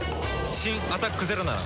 新「アタックＺＥＲＯ」なら。